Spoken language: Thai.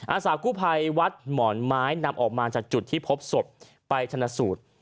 อาสากู้ภัยวัดหมอนไม้นำออกมาจากจุดที่พบศพไปชนะสูตร